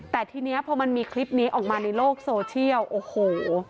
แต่ทีนี้พอมันมีคลิปนี้ออกมาในโลกโซเชียลโอ้โห